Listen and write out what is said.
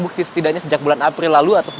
kita bisa melihat